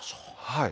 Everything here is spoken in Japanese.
はい。